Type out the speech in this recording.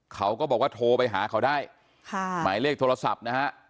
เขาก็บอกว่าโทรไปหาเขาได้หมายเลขโทรศัพท์๐๖๑๖๕๒๕๖๖๒